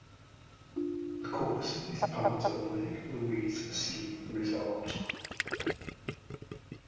The course is part of Lake Louise Ski Resort.